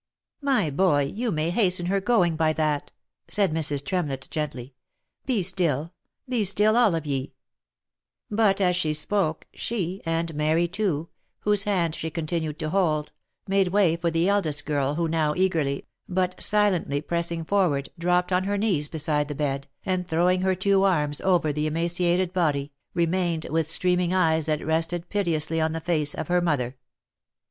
" My boy, you may hasten her going by that," said Mrs. Tremlett, gently. " Be still, be still all of ye !" But as she spoke, she, and Mary too, whose hand she continued to hold, made way for the eldest girl, who now eagerly, but silently pressing forward, dropped on her knees beside the bed, and throwing her two arms over the emaciated body, remained with streaming eyes that rested piteously on the face of her mother.